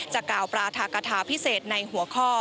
กล่าวปราธากฐาพิเศษในหัวข้อ